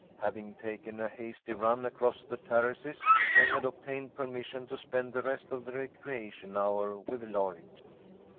Having taken a hasty run across the terraces, they had obtained permission to spend the rest of the recreation hour with Lloyd.